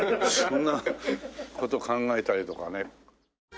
そんな事を考えたりとかね。